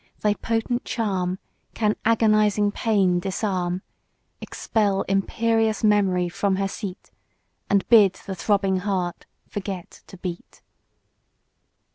thy potent charm Can agonizing Pain disarm; Expel imperious Memory from her seat, And bid the throbbing heart forget to beat.